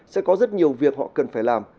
sẽ có rất nhiều việc họ cần phải làm